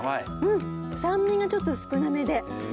酸味がちょっと少なめで。